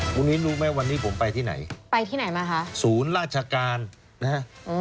วันนี้รู้ไหมวันนี้ผมไปที่ไหนไปที่ไหนมาคะศูนย์ราชการนะฮะ